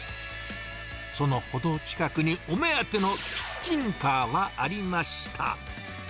その程近くにお目当てのキッチンカーはありました。